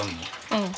うん。